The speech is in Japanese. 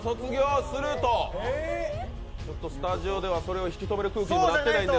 スタジオではそれを引き止める空気にもなってないんですが。